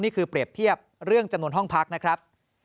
เปรียบเทียบเรื่องจำนวนห้องพักนะครับ